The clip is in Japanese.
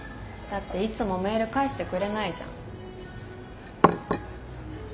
だっていつもメール返してくれないじゃん。